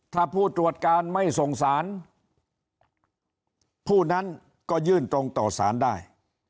ถ้าผู้ตรวจการไม่ส่งสารผู้นั้นก็ยื่นตรงต่อสารได้